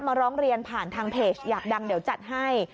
ร้องเรียนผ่านทางเพจอยากดังเดี๋ยวจัดให้